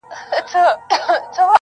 په تن خوار دی خو په عقل دی تللی،